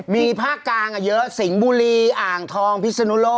มีภาคกลางเยอะสิงห์บุรีอ่างทองพิศนุโลก